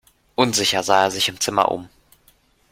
Unsicher sah er sich im Zimmer um.